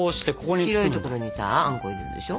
白い所にさあんこ入れるでしょ。